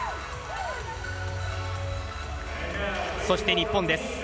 そして、日本です。